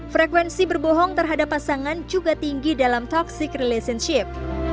frekuensi berbohong terhadap pasangan juga tinggi dalam toxic relationship